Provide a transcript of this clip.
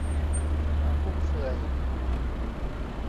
ความฟุ่มเฟือย